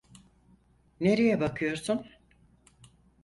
Nereye bakıyorsun?